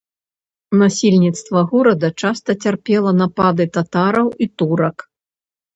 Насельніцтва горада часта цярпела напады татараў і турак.